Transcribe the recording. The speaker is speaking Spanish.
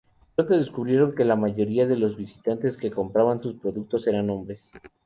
Pronto descubrieron que la mayoría de los visitantes que compraban sus productos eran hombres.